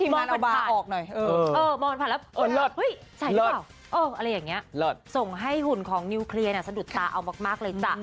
มองกันผ่านเออมองกันผ่านแล้วเห้ยใช่หรือเปล่าเอออะไรอย่างนี้ส่งให้หุ่นของนิ้วเคลียร์นะสะดุดตาเอามากเลยจ้ะ